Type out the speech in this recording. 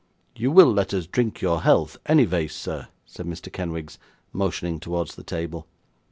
'You will let us drink your health, anyvays, sir!' said Mr. Kenwigs motioning towards the table.